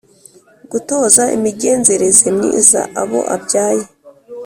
gutoza imigenzereze myiza abo abyaye